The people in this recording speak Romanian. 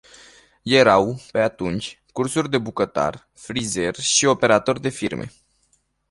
Erau, pe atunci, cursuri de bucătar, frizer și operator de firme.